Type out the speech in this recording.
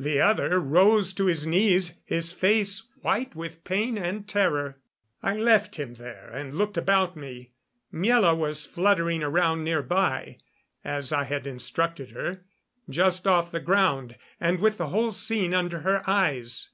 The other rose to his knees, his face white with pain and terror. I left him there and looked about me. Miela was fluttering around near by, as I had instructed her just off the ground and with the whole scene under her eyes.